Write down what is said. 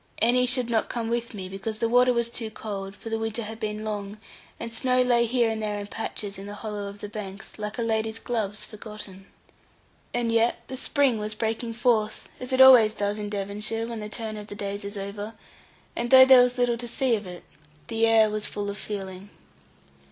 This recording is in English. Annie should not come with me, because the water was too cold; for the winter had been long, and snow lay here and there in patches in the hollow of the banks, like a lady's gloves forgotten. And yet the spring was breaking forth, as it always does in Devonshire, when the turn of the days is over; and though there was little to see of it, the air was full of feeling.